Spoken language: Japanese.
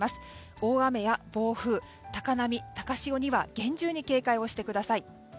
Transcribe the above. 大雨や暴風、高波、高潮には厳重に警戒してください。